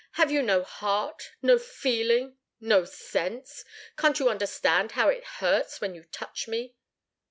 "Have you no heart, no feeling no sense? Can't you understand how it hurts when you touch me?"